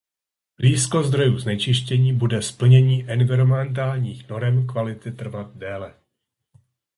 Blízko zdrojů znečištění bude splnění environmentálních norem kvality trvat déle.